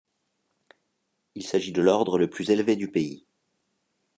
Il s'agit de l'ordre le plus élevé du pays.